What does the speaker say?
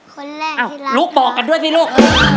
คนแรกที่รัก